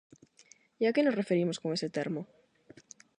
E a que nos referimos con ese termo?